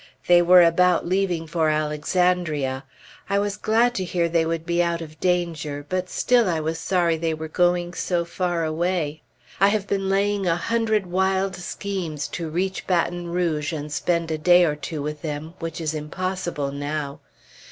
They were about leaving for Alexandria. I was glad to hear they would be out of danger, but still I was sorry they were going so far away. I have been laying a hundred wild schemes to reach Baton Rouge and spend a day or two with them, which is impossible now.